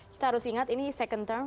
kita harus ingat ini second term